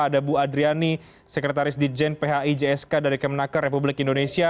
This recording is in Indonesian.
ada bu adriani sekretaris dijen phi jsk dari kemnaker republik indonesia